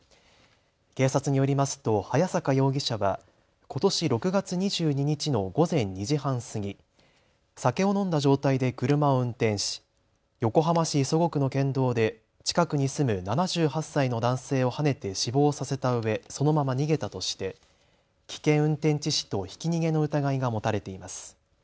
警察によりますと早坂容疑者はことし６月２２日の午前２時半過ぎ、酒を飲んだ状態で車を運転し横浜市磯子区の県道で近くに住む７８歳の男性をはねて死亡させたうえ、そのまま逃げたとして危険運転致死とひき逃げの疑いが持たれています。